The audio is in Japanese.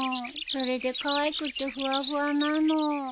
それでかわいくってふわふわなの。